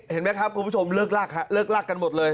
เห็นไหมครับคุณผู้ชมเลิกลากกันหมดเลย